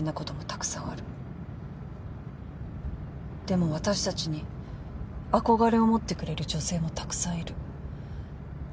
でも私たちに憧れを持ってくれる女性もたくさんいる。